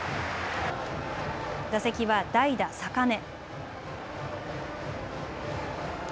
打席は代打、坂根。